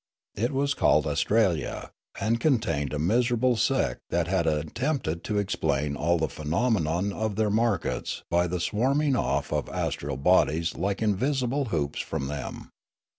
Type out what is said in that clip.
It was called Astralia, and contained a miserable sect that had at tempted to explain all the phenomena of their markets by the swarming ofif of astral bodies like invisible hoops from them.